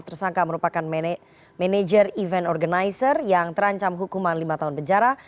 tersangka merupakan manajer event organizer yang terancam hukuman lima tahun penjara